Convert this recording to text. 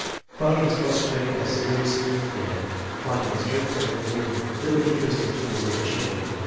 Father describes J. as serious and dreamy, finding his greatest pleasure in reading. Little interest in tools or machinery.